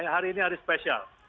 hari ini hari spesial